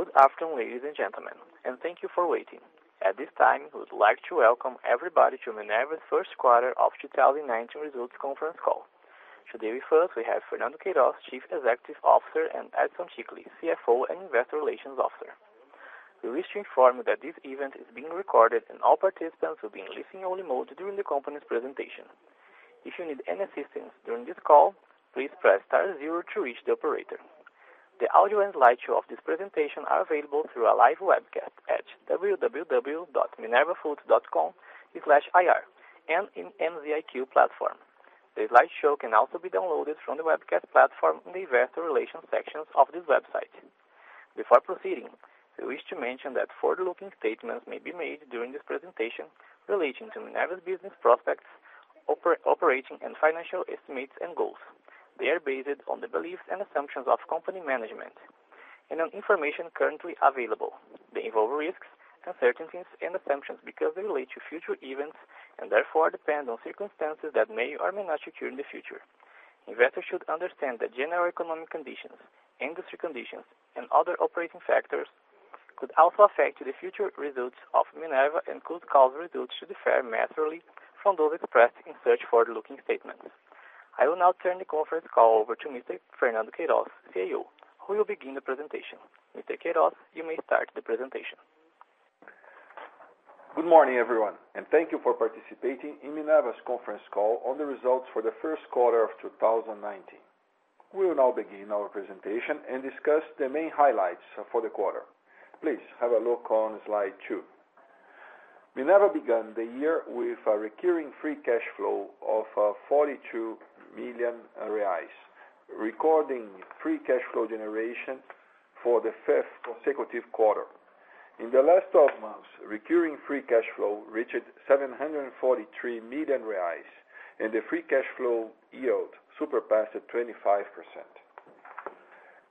Good afternoon, ladies and gentlemen, thank you for waiting. At this time, we would like to welcome everybody to Minerva's first quarter of 2019 results conference call. Today with us we have Fernando Queiroz, Chief Executive Officer, and Edison Ticle, CFO and Investor Relations Officer. We wish to inform you that this event is being recorded and all participants will be in listen-only mode during the company's presentation. If you need any assistance during this call, please press star zero to reach the operator. The audio and slideshow of this presentation are available through our live webcast at www.minervafoods.com/ir and in MZiQ platform. The slideshow can also be downloaded from the webcast platform in the investor relations sections of this website. Before proceeding, we wish to mention that forward-looking statements may be made during this presentation relating to Minerva's business prospects, operating and financial estimates and goals. They are based on the beliefs and assumptions of company management and on information currently available. They involve risks, uncertainties, and assumptions because they relate to future events and therefore depend on circumstances that may or may not occur in the future. Investors should understand that general economic conditions, industry conditions, and other operating factors could also affect the future results of Minerva and could cause results to differ materially from those expressed in such forward-looking statements. I will now turn the conference call over to Mr. Fernando Queiroz, CEO, who will begin the presentation. Mr. Queiroz, you may start the presentation. Good morning, everyone, thank you for participating in Minerva's conference call on the results for the first quarter of 2019. We will now begin our presentation and discuss the main highlights for the quarter. Please have a look on slide two. Minerva began the year with a recurring free cash flow of 42 million reais, recording free cash flow generation for the fifth consecutive quarter. In the last 12 months, recurring free cash flow reached 743 million reais, and the free cash flow yield surpassed 25%.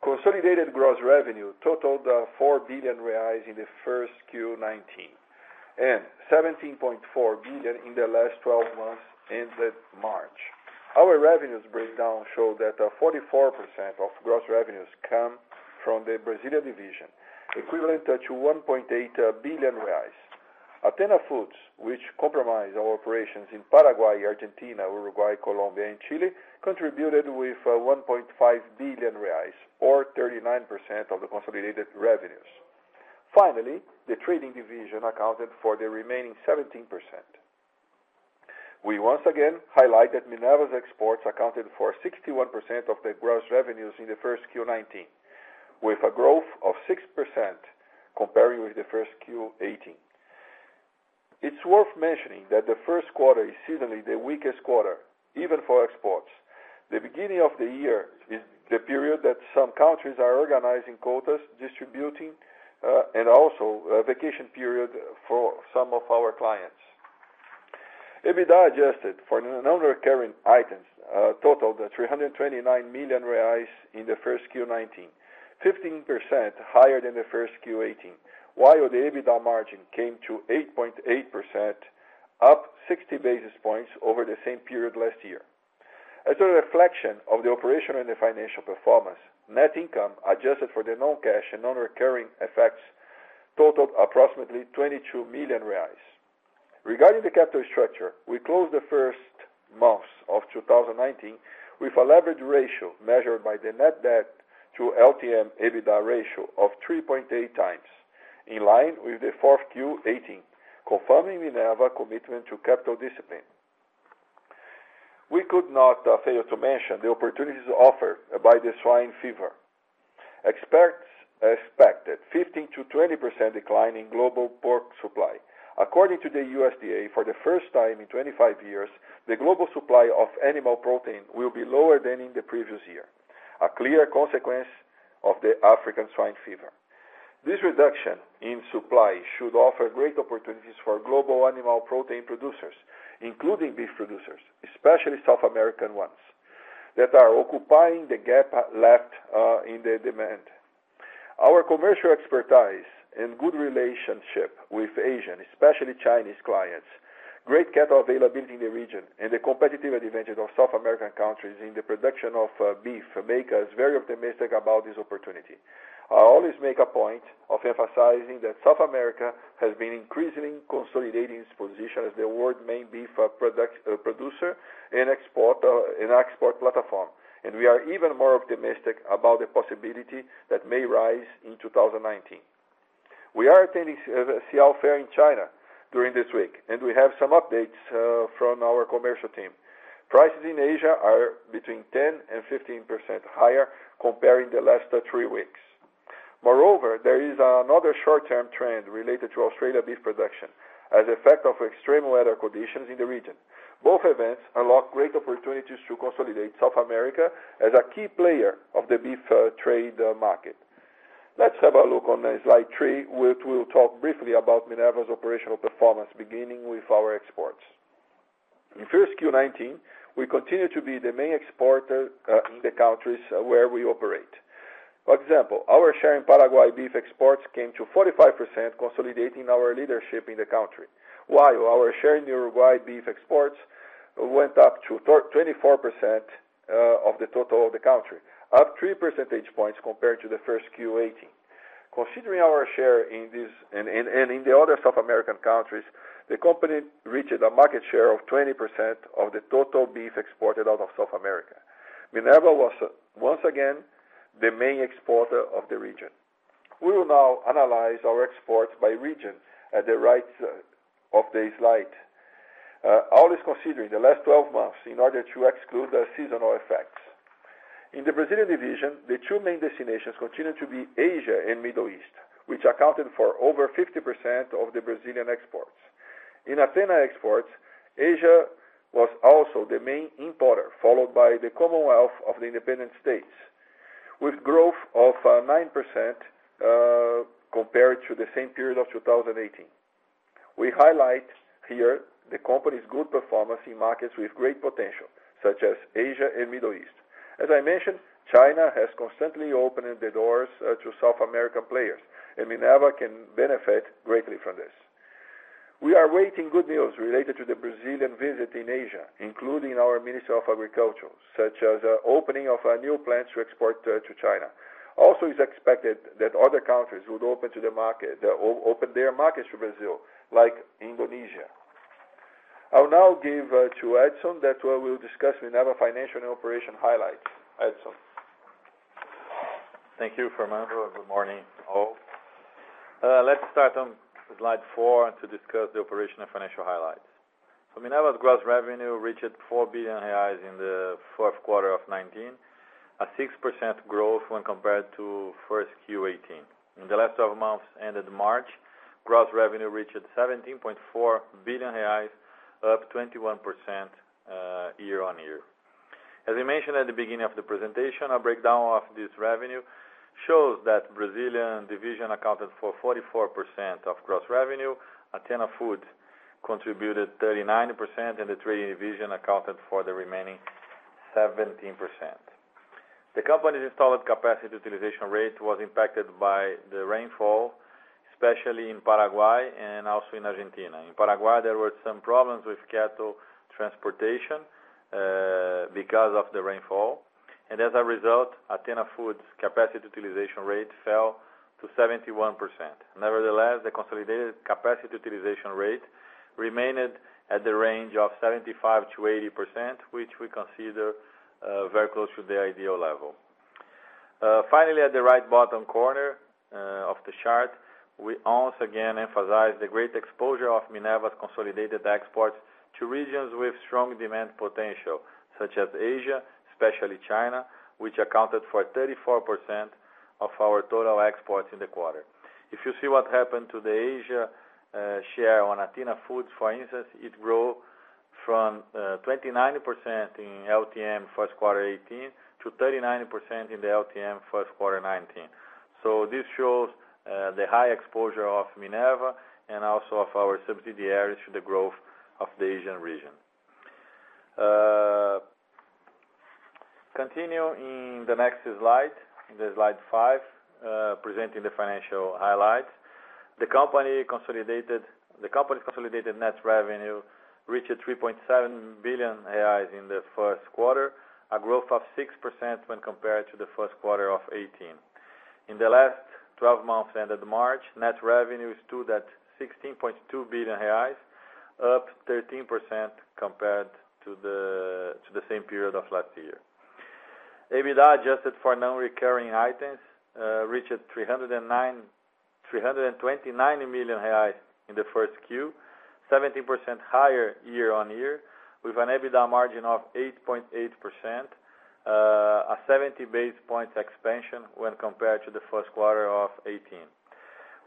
Consolidated gross revenue totaled 4 billion reais in the first Q19, and 17.4 billion in the last 12 months ended March. Our revenues breakdown show that 44% of gross revenues come from the Brazilian division, equivalent to 1.8 billion reais. Athena Foods, which comprise our operations in Paraguay, Argentina, Uruguay, Colombia, and Chile, contributed with 1.5 billion reais, or 39% of the consolidated revenues. Finally, the trading division accounted for the remaining 17%. We once again highlight that Minerva's exports accounted for 61% of the gross revenues in the first Q19, with a growth of 6% comparing with the first Q18. It's worth mentioning that the first quarter is seasonally the weakest quarter, even for exports. The beginning of the year is the period that some countries are organizing quotas, distributing, and also a vacation period for some of our clients. EBITDA adjusted for the non-recurring items totaled BRL 329 million in the first quarter 2019, 15% higher than the first quarter 2018, while the EBITDA margin came to 8.8%, up 60 basis points over the same period last year. As a reflection of the operation and the financial performance, net income, adjusted for the non-cash and non-recurring effects, totaled approximately 22 million reais. Regarding the capital structure, we closed the first months of 2019 with a leverage ratio measured by the net debt to LTM EBITDA ratio of 3.8x, in line with the fourth quarter 2018, confirming Minerva commitment to capital discipline. We could not fail to mention the opportunities offered by the swine fever. Experts expect a 15%-20% decline in global pork supply. According to the USDA, for the first time in 25 years, the global supply of animal protein will be lower than in the previous year, a clear consequence of the African swine fever. This reduction in supply should offer great opportunities for global animal protein producers, including beef producers, especially South American ones, that are occupying the gap left in the demand. Our commercial expertise and good relationship with Asian, especially Chinese, clients, great cattle availability in the region, and the competitive advantage of South American countries in the production of beef make us very optimistic about this opportunity. I always make a point of emphasizing that South America has been increasingly consolidating its position as the world's main beef producer and export platform, and we are even more optimistic about the possibility that may rise in 2019. We are attending a SIAL fair in China during this week, and we have some updates from our commercial team. Prices in Asia are between 10%-15% higher comparing the last three weeks. Moreover, there is another short-term trend related to Australia beef production as effect of extreme weather conditions in the region. Both events unlock great opportunities to consolidate South America as a key player of the beef trade market. Let's have a look on slide three, which we'll talk briefly about Minerva's operational performance, beginning with our exports. In first quarter 2019, we continued to be the main exporter in the countries where we operate. For example, our share in Paraguay beef exports came to 45%, consolidating our leadership in the country. While our share in Uruguay beef exports went up to 24% of the total of the country, up 3 percentage points compared to the first quarter 2018. Considering our share in the other South American countries, the company reached a market share of 20% of the total beef exported out of South America. Minerva was once again the main exporter of the region. We will now analyze our exports by region at the right of the slide. Always considering the last 12 months, in order to exclude the seasonal effects. In the Brazilian division, the two main destinations continued to be Asia and Middle East, which accounted for over 50% of the Brazilian exports. In Athena exports, Asia was also the main importer, followed by the Commonwealth of the Independent States, with growth of 9% compared to the same period of 2018. We highlight here the company's good performance in markets with great potential, such as Asia and Middle East. As I mentioned, China has constantly opened the doors to South American players, Minerva can benefit greatly from this. We are awaiting good news related to the Brazilian visit in Asia, including our Minister of Agricultural, such as opening of new plans to export to China. Also, it's expected that other countries would open their markets to Brazil, like Indonesia. I will now give to Edison, that will discuss Minerva financial and operation highlights. Edison. Thank you, Fernando. Good morning, all. Let's start on slide four to discuss the operational financial highlights. Minerva's gross revenue reached 4 billion reais in the fourth quarter of 2019, a 6% growth when compared to first quarter 2018. In the last 12 months ended March, gross revenue reached 17.4 billion reais, up 21% year-on-year. As I mentioned at the beginning of the presentation, a breakdown of this revenue shows that Brazilian division accounted for 44% of gross revenue, Athena Foods contributed 39%, and the trading division accounted for the remaining 17%. The company's installed capacity utilization rate was impacted by the rainfall, especially in Paraguay and also in Argentina. In Paraguay, there were some problems with cattle transportation because of the rainfall, and as a result, Athena Foods' capacity utilization rate fell to 71%. Nevertheless, the consolidated capacity utilization rate remained at the range of 75%-80%, which we consider very close to the ideal level. Finally, at the right bottom corner of the chart, we once again emphasize the great exposure of Minerva's consolidated exports to regions with strong demand potential, such as Asia, especially China, which accounted for 34% of our total exports in the quarter. If you see what happened to the Asia share on Athena Foods, for instance, it grew from 29% in LTM first quarter 2018, to 39% in the LTM first quarter 2019. This shows the high exposure of Minerva and also of our subsidiaries to the growth of the Asian region. Continue in the next slide, the slide five, presenting the financial highlights. The company's consolidated net revenue reached 3.7 billion reais in the first quarter, a growth of 6% when compared to the first quarter of 2018. In the last 12 months ended March, net revenue stood at 16.2 billion reais, up 13% compared to the same period of last year. EBITDA adjusted for non-recurring items reached 329 million reais in the first quarter, 17% higher year-on-year, with an EBITDA margin of 8.8%, a 70 basis points expansion when compared to the first quarter of 2018.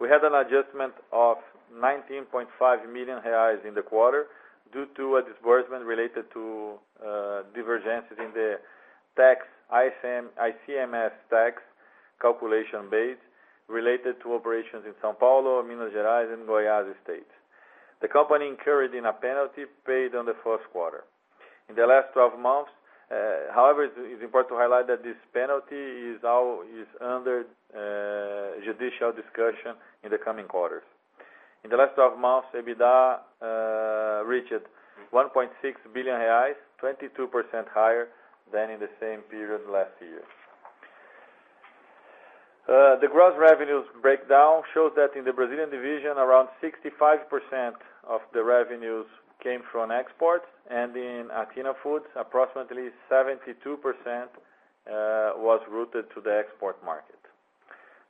We had an adjustment of 19.5 million reais in the quarter due to a disbursement related to divergences in the ICMS tax calculation base related to operations in São Paulo, Minas Gerais, and Goiás state. The company incurred in a penalty paid in the first quarter. In the last 12 months, however, it's important to highlight that this penalty is under judicial discussion in the coming quarters. In the last 12 months, EBITDA reached 1.6 billion reais, 22% higher than in the same period last year. The gross revenues breakdown shows that in the Brazilian division, around 65% of the revenues came from export, and in Athena Foods, approximately 72% was routed to the export market.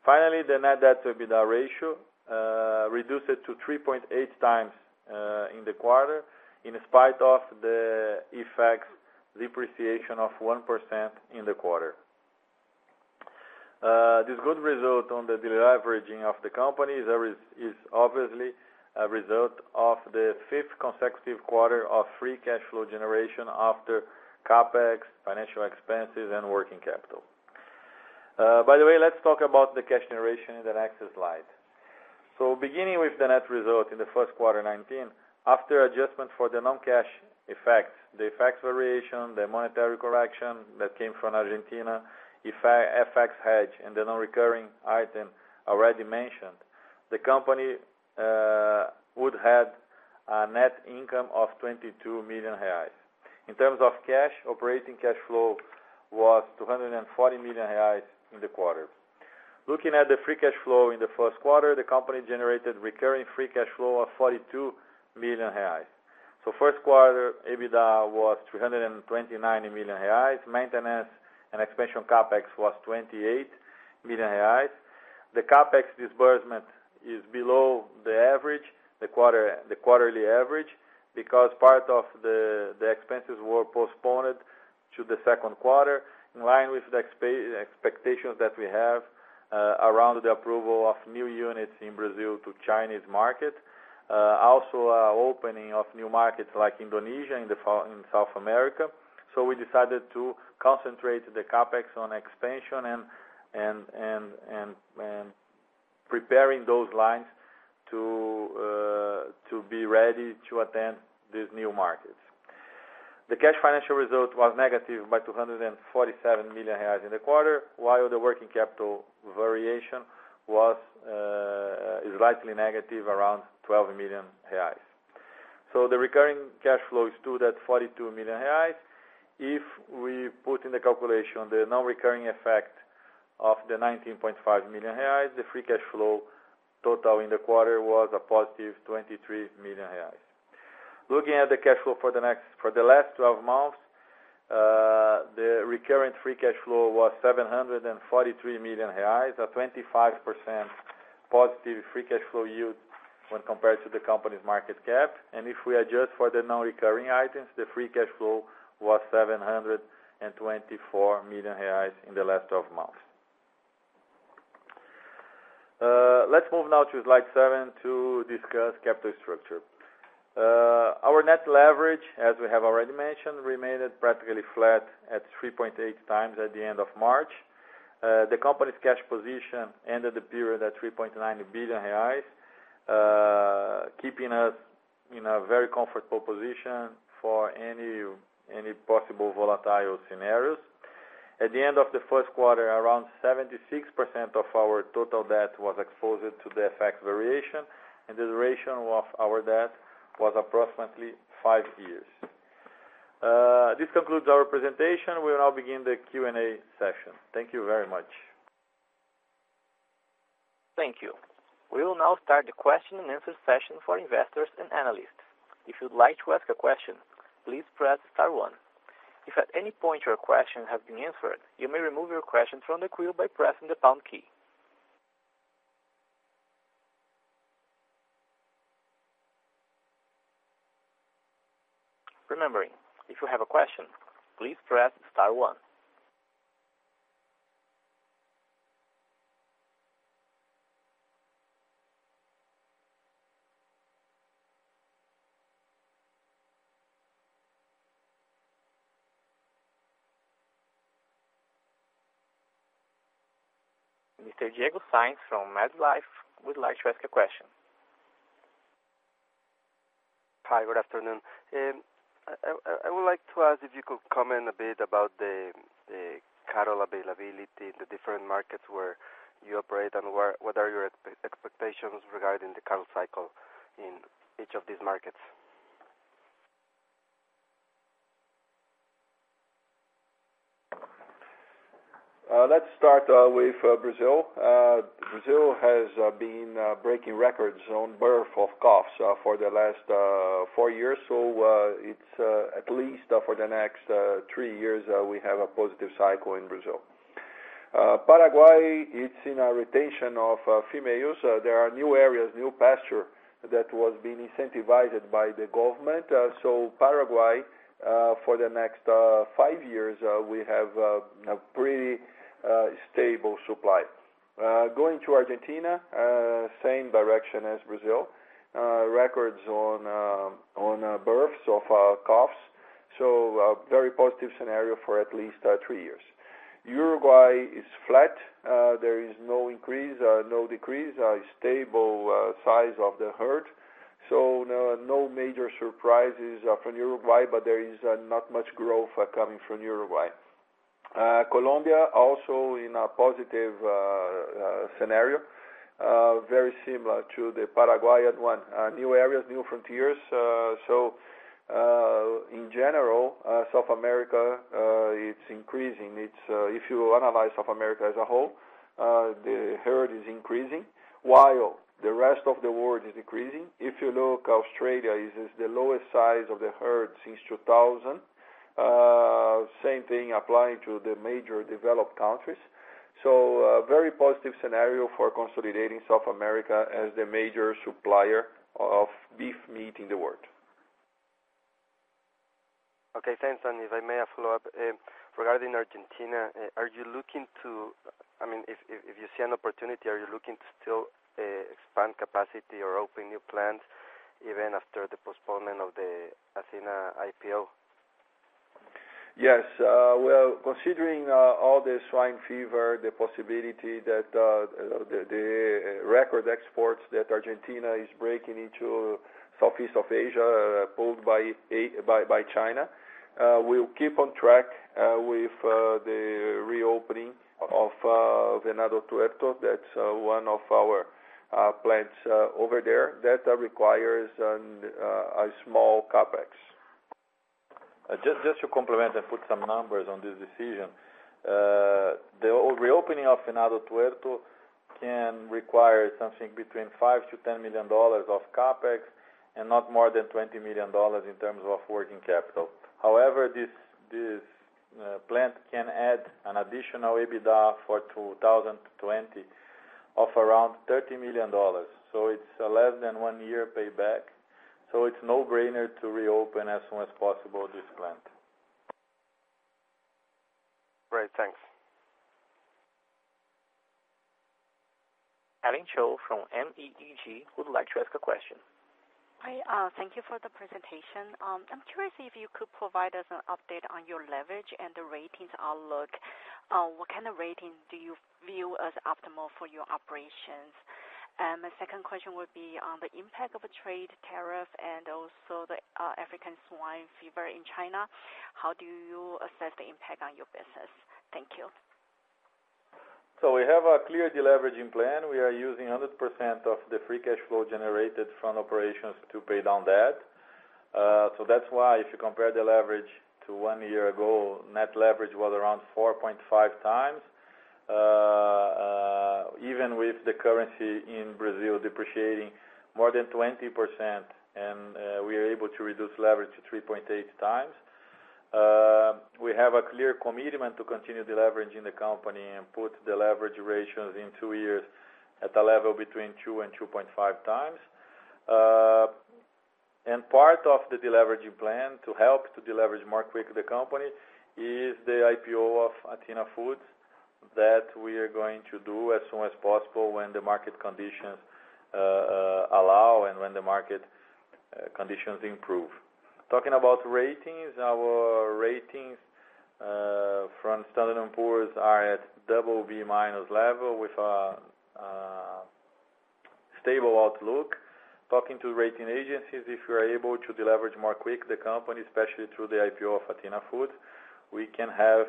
Finally, the net debt-to-EBITDA ratio reduced to 3.8x in the quarter, in spite of the FX depreciation of 1% in the quarter. This good result on the deleveraging of the company is obviously a result of the fifth consecutive quarter of free cash flow generation after CapEx, financial expenses, and working capital. By the way, let's talk about the cash generation in the next slide. Beginning with the net result in the first quarter 2019, after adjustment for the non-cash effects, the effects variation, the monetary correction that came from Argentina, FX hedge, and the non-recurring item already mentioned, the company would have a net income of 22 million reais. In terms of cash, operating cash flow was 240 million reais in the quarter. Looking at the free cash flow in the first quarter, the company generated recurring free cash flow of 42 million reais. First quarter, EBITDA was 329 million reais. Maintenance and expansion CapEx was 28 million reais. The CapEx disbursement is below the quarterly average because part of the expenses were postponed to the second quarter, in line with the expectations that we have around the approval of new units in Brazil to the Chinese market. Also, the opening of new markets like Indonesia and South America. We decided to concentrate the CapEx on expansion and preparing those lines to be ready to attend these new markets. The cash financial result was negative by 247 million reais in the quarter, while the working capital variation is slightly negative, around 12 million reais. The recurring cash flow stood at 42 million reais. If we put in the calculation the non-recurring effect of the 19.5 million reais, the free cash flow total in the quarter was a positive 23 million reais. Looking at the cash flow for the last 12 months, the recurring free cash flow was 743 million reais, a 25% positive free cash flow yield when compared to the company's market cap. If we adjust for the non-recurring items, the free cash flow was 724 million reais in the last 12 months. Let's move now to slide seven to discuss capital structure. Our net leverage, as we have already mentioned, remained practically flat at 3.8x at the end of March. The company's cash position ended the period at 3.9 billion reais, keeping us in a very comfortable position for any possible volatile scenarios. At the end of the first quarter, around 76% of our total debt was exposed to the FX variation, and the duration of our debt was approximately five years. This concludes our presentation. We will now begin the Q&A session. Thank you very much. Thank you. We will now start the question and answer session for investors and analysts. If you would like to ask a question, please press star one. If at any point your question has been answered, you may remove your question from the queue by pressing the pound key. Remembering, if you have a question, please press star one. Mr. Diego Sainz from MedLife would like to ask a question. Hi, good afternoon. I would like to ask if you could comment a bit about the cattle availability in the different markets where you operate, and what are your expectations regarding the cattle cycle in each of these markets? Let's start with Brazil. Brazil has been breaking records on birth of calves for the last four years. It's at least for the next three years, we have a positive cycle in Brazil. Paraguay, it's in a rotation of females. There are new areas, new pasture that was being incentivized by the government. Paraguay, for the next five years, we have a pretty stable supply. Going to Argentina, same direction as Brazil. Records on births of calves. A very positive scenario for at least three years. Uruguay is flat. There is no increase, no decrease. A stable size of the herd. No major surprises from Uruguay, but there is not much growth coming from Uruguay. Colombia, also in a positive scenario. Very similar to the Paraguayan one. New areas, new frontiers. In general, South America, it's increasing. If you analyze South America as a whole, the herd is increasing while the rest of the world is decreasing. If you look, Australia is the lowest size of the herd since 2000. Same thing applying to the major developed countries. A very positive scenario for consolidating South America as the major supplier of beef meat in the world. Okay, thanks. If I may follow up, regarding Argentina, if you see an opportunity, are you looking to still expand capacity or open new plants even after the postponement of the Athena IPO? Yes. Well, considering all the swine fever, the possibility that the record exports that Argentina is breaking into. Southeast of Asia, pulled by China. We'll keep on track with the reopening of Venado Tuerto. That's one of our plants over there that requires a small CapEx. Just to complement and put some numbers on this decision. The reopening of Venado Tuerto can require something between $5 million-$10 million of CapEx and not more than $20 million in terms of working capital. However, this plant can add an additional EBITDA for 2020 of around $30 million. It's less than one year payback, it's no-brainer to reopen as soon as possible this plant. Great. Thanks. [Evelyn Cho] from MEEG would like to ask a question. Hi. Thank you for the presentation. I'm curious if you could provide us an update on your leverage and the ratings outlook. What kind of rating do you view as optimal for your operations? My second question would be on the impact of a trade tariff and also the African swine fever in China. How do you assess the impact on your business? Thank you. We have a clear deleveraging plan. We are using 100% of the free cash flow generated from operations to pay down debt. That's why if you compare the leverage to one year ago, net leverage was around 4.5x. Even with the currency in Brazil depreciating more than 20%, we are able to reduce leverage to 3.8x. We have a clear commitment to continue deleveraging the company and put the leverage ratios in two years at a level between 2x and 2.5x. Part of the deleveraging plan to help to deleverage more quickly the company, is the IPO of Athena Foods that we are going to do as soon as possible when the market conditions allow and when the market conditions improve. Talking about ratings, our ratings from Standard & Poor's are at BB- level with a stable outlook. Talking to rating agencies, if we are able to deleverage more quick the company, especially through the IPO of Athena Foods, we can have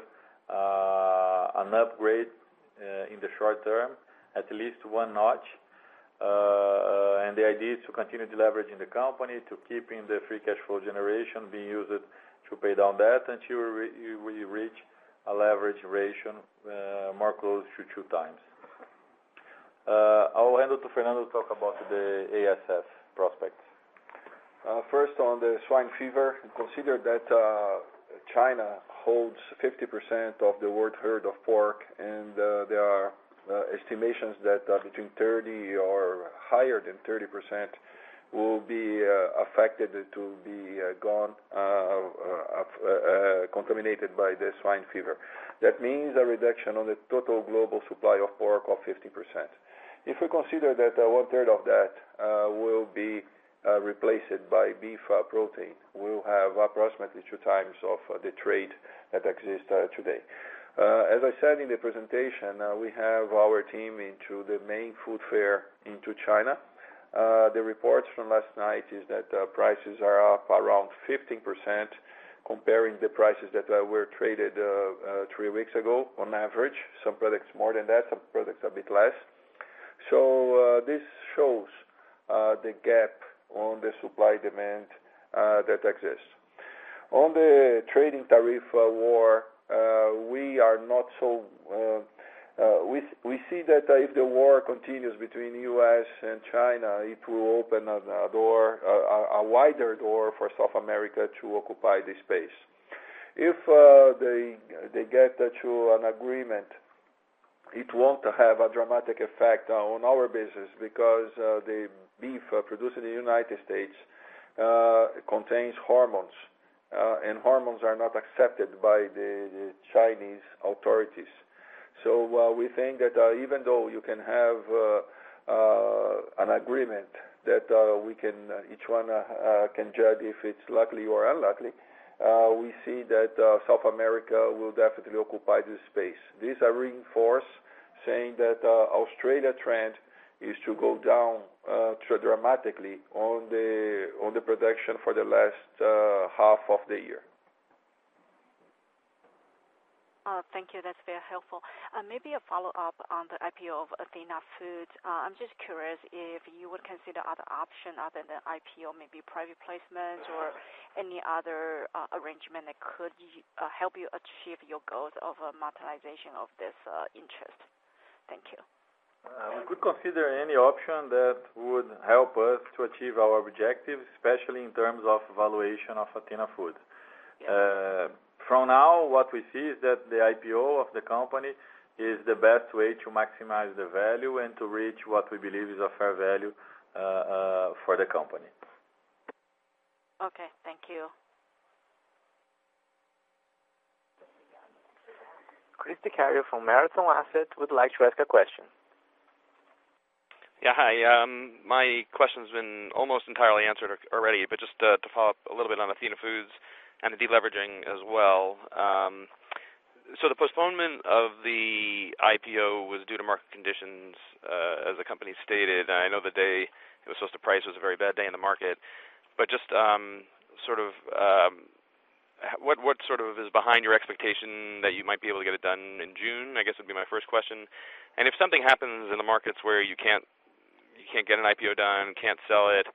an upgrade in the short term, at least one notch. The idea is to continue deleveraging the company, to keeping the free cash flow generation being used to pay down debt until we reach a leverage ratio more close to 2x. I will hand it to Fernando to talk about the ASF prospects. First, on the African swine fever, consider that China holds 50% of the world herd of pork, and there are estimations that between 30% or higher than 30% will be affected to be gone, contaminated by the African swine fever. That means a reduction on the total global supply of pork of 50%. If we consider that one-third of that will be replaced by beef protein, we will have approximately 2x of the trade that exists today. As I said in the presentation, we have our team into the main food fair into China. The reports from last night is that prices are up around 15%, comparing the prices that were traded three weeks ago on average. Some products more than that, some products a bit less. This shows the gap on the supply-demand that exists. On the trading tariff war, we see that if the war continues between U.S. and China, it will open a wider door for South America to occupy the space. If they get to an agreement, it won't have a dramatic effect on our business because the beef produced in the United States contains hormones, and hormones are not accepted by the Chinese authorities. We think that even though you can have an agreement that each one can judge if it's likely or unlikely, we see that South America will definitely occupy this space. These are reinforced saying that Australia trend is to go down dramatically on the production for the last half of the year. Thank you. That's very helpful. Maybe a follow-up on the IPO of Athena Foods. I'm just curious if you would consider other option other than IPO, maybe private placement or any other arrangement that could help you achieve your goals of monetization of this interest. Thank you. We could consider any option that would help us to achieve our objective, especially in terms of valuation of Athena Foods. Yeah. From now, what we see is that the IPO of the company is the best way to maximize the value and to reach what we believe is a fair value for the company. Okay. Thank you. Christ Cronin from Marathon Asset would like to ask a question. Yeah. Hi. My question's been almost entirely answered already, but just to follow up a little bit on Athena Foods and the deleveraging as well. The postponement of the IPO was due to market conditions, as the company stated. I know the day it was supposed to price was a very bad day in the market. Just, what is behind your expectation that you might be able to get it done in June, I guess would be my first question. If something happens in the markets where you can't get an IPO done, can't sell it,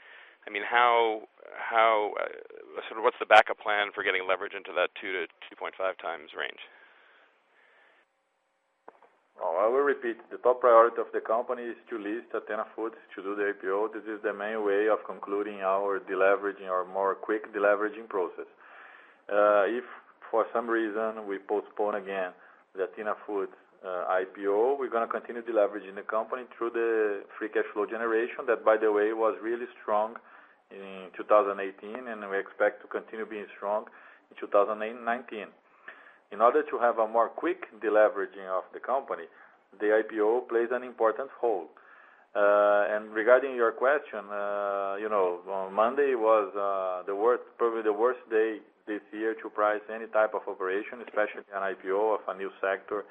what's the backup plan for getting leverage into that 2x-2.5x range? I will repeat. The top priority of the company is to list Athena Foods to do the IPO. This is the main way of concluding our deleveraging, our more quick deleveraging process. If for some reason we postpone again the Athena Foods IPO, we're going to continue deleveraging the company through the free cash flow generation that, by the way, was really strong in 2018, and we expect to continue being strong in 2019. In order to have a more quick deleveraging of the company, the IPO plays an important role. Regarding your question, on Monday was probably the worst day this year to price any type of operation, especially an IPO of a new sector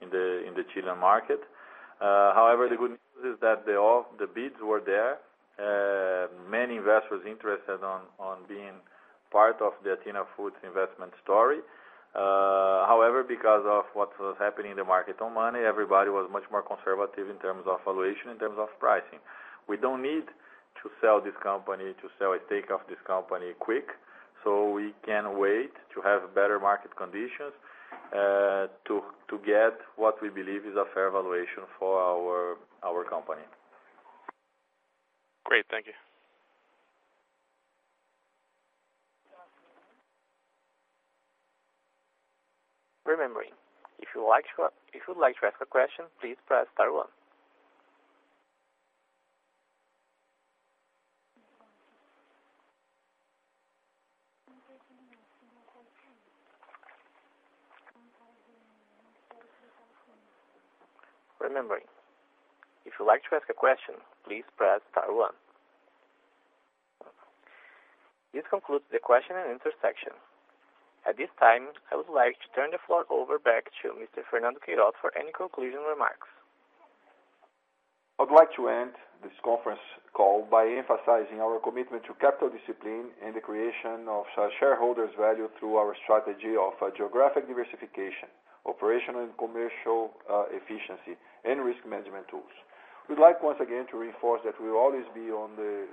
in the Chilean market. However, the good news is that all the bids were there. Many investors interested on being part of the Athena Foods investment story. However, because of what was happening in the market on Monday, everybody was much more conservative in terms of valuation, in terms of pricing. We don't need to sell this company, to sell a stake of this company quick, so we can wait to have better market conditions to get what we believe is a fair valuation for our company. Great. Thank you. Remembering, if you would like to ask a question, please press star one. Remembering, if you'd like to ask a question, please press star one. This concludes the question and answer section. At this time, I would like to turn the floor over back to Mr. Fernando Queiroz for any conclusion remarks. I'd like to end this conference call by emphasizing our commitment to capital discipline and the creation of shareholders' value through our strategy of geographic diversification, operational and commercial efficiency, and risk management tools. We'd like once again to reinforce that we will always be on the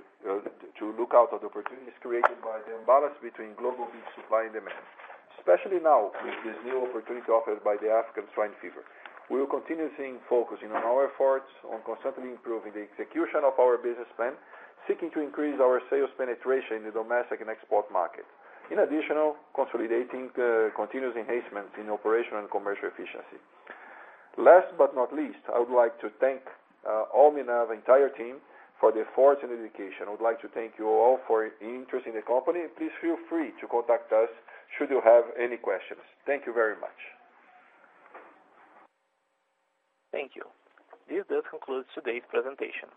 lookout of the opportunities created by the imbalance between global beef supply and demand, especially now with this new opportunity offered by the African swine fever. We will continue focusing on our efforts on constantly improving the execution of our business plan, seeking to increase our sales penetration in the domestic and export market. In addition, consolidating continuous enhancements in operational and commercial efficiency. Last but not least, I would like to thank all Minerva entire team for the efforts and dedication. I would like to thank you all for your interest in the company, please feel free to contact us should you have any questions. Thank you very much. Thank you. This does conclude today's presentation.